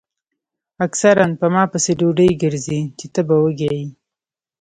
اکثر پۀ ما پسې ډوډۍ ګرځئ چې تۀ به وږے ئې ـ